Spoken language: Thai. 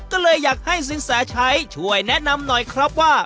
ก็เลยอยากให้สินแสชัยช่วยแนะนำหน่อยครับว่า